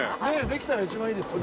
できたら一番いいですね。